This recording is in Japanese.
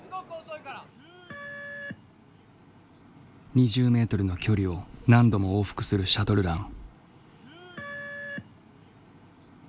２０メートルの距離を何度も往復するシャトルラン。